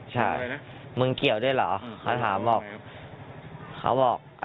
จากคุณสนาติอิไทยและแห่งอันดับที่บอกว่า